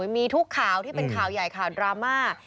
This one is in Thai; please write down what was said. มีทุกข่าวที่เป็นข่าวใหญ่ข่าวดราม่า